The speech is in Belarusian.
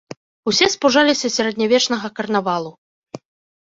Усе спужаліся сярэднявечнага карнавалу.